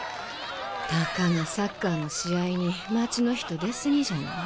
たかがサッカーの試合に町の人出過ぎじゃない？